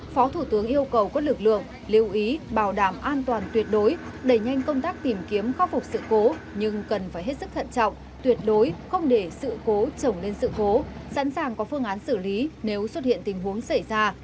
phó thủ tướng yêu cầu các lực lượng lưu ý bảo đảm an toàn tuyệt đối đẩy nhanh công tác tìm kiếm khó phục sự cố nhưng cần phải hết sức thận trọng tuyệt đối không để sự cố trồng lên sự cố sẵn sàng có phương án xử lý nếu xuất hiện tình huống xảy ra